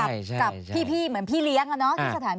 กับพี่เหมือนพี่เลี้ยงแล้วนะที่สถานพินิษฐ์